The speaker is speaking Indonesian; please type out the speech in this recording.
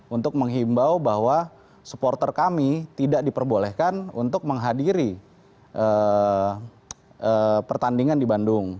untuk menghimbau bahwa supporter kami tidak diperbolehkan untuk menghadiri pertandingan di bandung